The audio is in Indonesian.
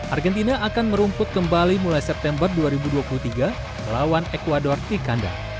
argentina akan merumput kembali mulai september dua ribu dua puluh tiga melawan ecuador ikanda